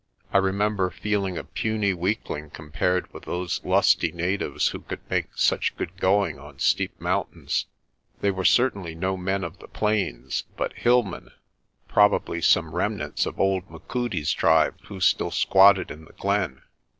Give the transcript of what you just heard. I remember feeling a puny weakling compared with those lusty natives who could make such good going on steep mountains. They were certainly no men of the plains, but hillmen, probably some remnants of old Machudi's tribe who still squatted in the glen.